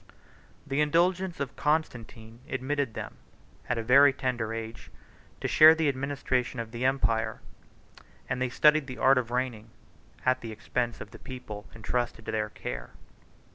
The indulgence of Constantine admitted them, at a very tender age, to share the administration of the empire; and they studied the art of reigning, at the expense of the people intrusted to their care.